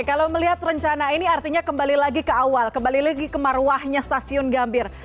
kalau melihat rencana ini artinya kembali lagi ke awal kembali lagi ke marwahnya stasiun gambir